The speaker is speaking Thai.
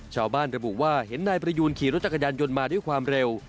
ชาวบ้านระบุว่าเห็นนายประยูนขี่รถจักรยานยนต์มาด้วยความเร็ว